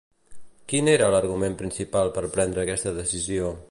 Quin era l'argument principal per prendre aquesta decisió?